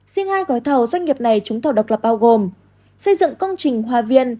riêng hai gói thầu doanh nghiệp này trúng thầu độc lập bao gồm xây dựng công trình hòa viên